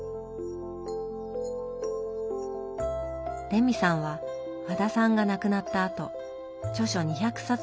レミさんは和田さんが亡くなったあと著書２００冊ほどを集め